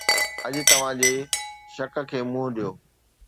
اڄ توهان جي شڪ کي منهن ڏيو